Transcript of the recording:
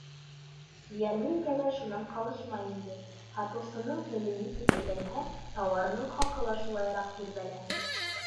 Йәрминкә лә шунан ҡалышмай инде: һатыусының теле нисек әйләнһә, тауарының хаҡы ла шулайыраҡ тирбәлә.